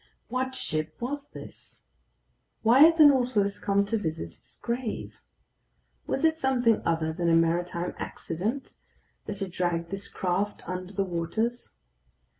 What ship was this? Why had the Nautilus come to visit its grave? Was it something other than a maritime accident that had dragged this craft under the waters?